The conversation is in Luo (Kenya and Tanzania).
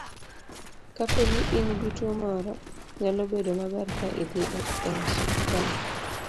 Kapo ni in gi tuwo moro, nyalo bedo maber ka idhi e osiptal .